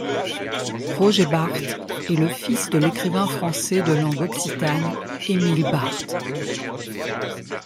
Roger Barthe est le fils de l’écrivain français de langue occitane Émile Barthe.